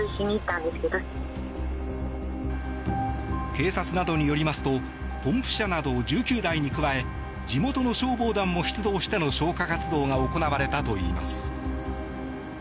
警察などによりますとポンプ車など１９台に加え地元の消防団も出動しての消火活動が行われたといいます。